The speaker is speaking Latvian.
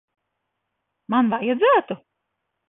Man vajadzētu?